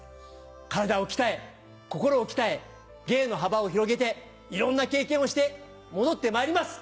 体を鍛え、心を鍛え、芸の幅を広げて、いろんな経験をして、戻ってまいります。